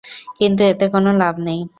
কিন্তু এতে কোনো লাভ নেই।